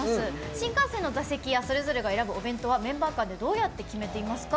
「新幹線の座席やそれぞれが選ぶお弁当はメンバー間でどうやって決めていますか？